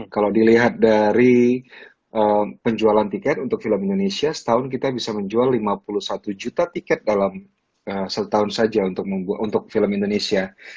kalau dilihat dari penjualan tiket untuk film indonesia setahun kita bisa menjual lima puluh satu juta tiket dalam setahun saja untuk film indonesia